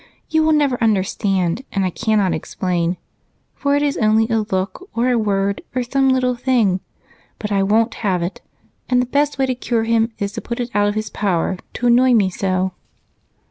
You will never understand, and I cannot explain, for it is only a look, or a word, or some little thing but I won't have it, and the best way to cure him is to put it out of his power to annoy me so."